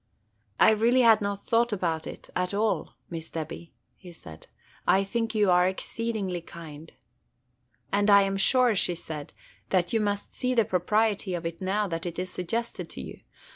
"I really had not thought about it at all, Miss Debby," he said. "I think you are exceedingly kind." "And I 'm sure," said she, "that you must see the propriety of it now that it is suggested to you.